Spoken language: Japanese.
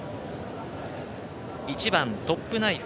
１番、トップナイフ。